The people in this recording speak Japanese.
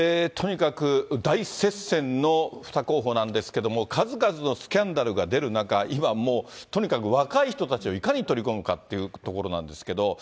とにかく大接戦の２候補なんですけれども、数々のスキャンダルが出る中、今もう、とにかく若い人たちをいかに取り込むかっていうところなんですけど。